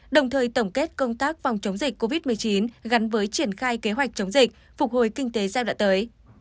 đồng thời tổng kết công tác phòng chống dịch covid một mươi chín gắn với triển khai kế hoạch chống dịch phục hồi kinh tế giai đoạn tới